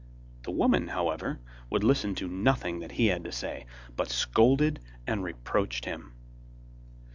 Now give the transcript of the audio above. The woman, however, would listen to nothing that he had to say, but scolded and reproached him.